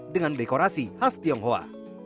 dengan dekorasi khas tionghoa